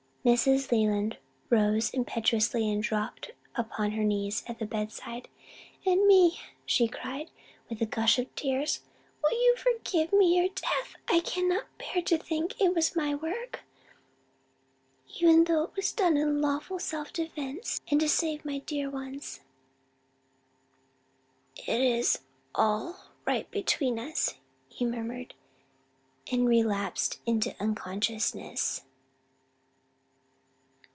Mrs. Leland rose impetuously and dropped on her knees at the bedside. "And me!" she cried, with a gush of tears, "will you forgive me your death? I cannot bear to think it was my work, even though done in lawful self defense, and to save my dear ones." "It is all right between us," he murmured, and relapsed into unconsciousness.